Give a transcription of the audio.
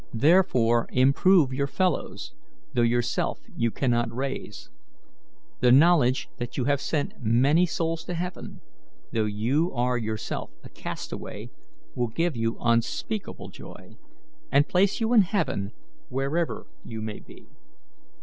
Therefore improve your fellows, though yourself you cannot raise. The knowledge that you have sent many souls to heaven, though you are yourself a castaway, will give you unspeakable joy, and place you in heaven wherever you may be.